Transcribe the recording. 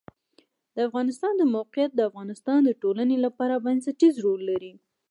د افغانستان د موقعیت د افغانستان د ټولنې لپاره بنسټيز رول لري.